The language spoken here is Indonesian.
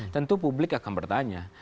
tentu publik akan bertanya